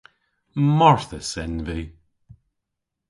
Marthys en vy.